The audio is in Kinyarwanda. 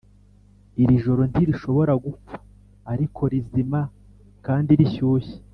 iri joro ntirishobora gupfa ariko rizima kandi rishyushye